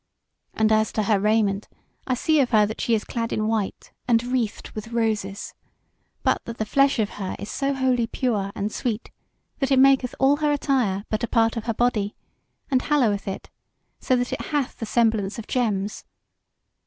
And as to her raiment, I see of her that she is clad in white and wreathed with roses, but that the flesh of her is so wholly pure and sweet that it maketh all her attire but a part of her body, and halloweth it, so that it hath the semblance of gems.